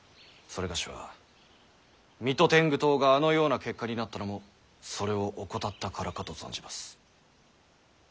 某は水戸天狗党があのような結果になったのもそれを怠ったからかと存じます。